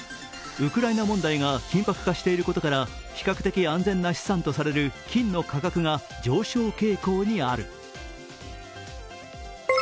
ウクライナ問題が緊迫化していることから比較的安全とされている金の価格が上昇傾向にある。